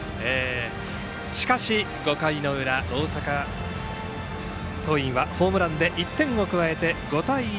しかし、５回の裏大阪桐蔭はホームランで１点を加えて５対１。